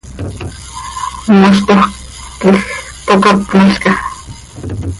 ¿Mooztoj quij tocápnalca?